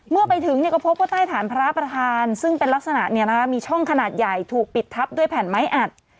เมื่อไปถึงก็พบว่าใต้ฐานพระประธานซึ่งเป็นลักษณะมีช่องขนาดใหญ่ถูกปิดทับด้วยแผ่นไม้อัด